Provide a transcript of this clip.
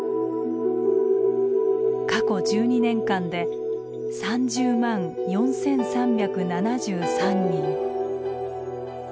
過去１２年間で３０万４，３７３人。